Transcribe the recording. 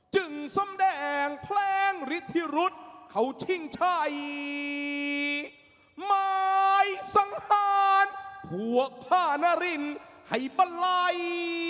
จึงแสดงเพลงฤทธิรุษเขาชิ่งชัยหมายสังหารผัวผ้านารินให้ปลาไหล่